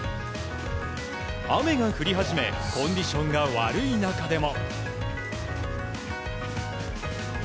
雨が降り始めコンディションが悪い中でも。